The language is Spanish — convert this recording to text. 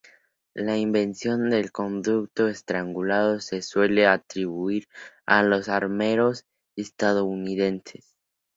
La invención del conducto estrangulado se suele atribuir a los armeros estadounidenses.